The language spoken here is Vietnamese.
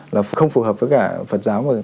là không phù hợp với cả phật giáo